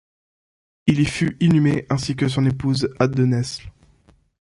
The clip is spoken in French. Il y fut inhumé ainsi que son épouse Ade de Nesle.